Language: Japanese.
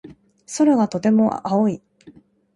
空がとても青い。